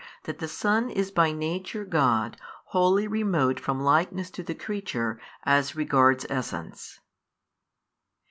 That the Son is by Nature God, wholly remote from likeness to the creature, as regards Essence.